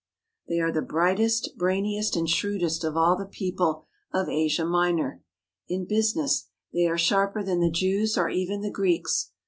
They are the brightest, brainiest, and shrewdest of all the people of Asia Minor. In business they are sharper than the 271 THE HOLY LAND AND SYRIA Jews or even the Greeks.